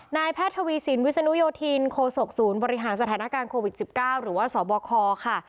นายแพทย์ทวีสินวิศนุโยธินโคศกศูนย์บริหารสถานการณ์โควิด๑๙หรือว่าสบคค่ะ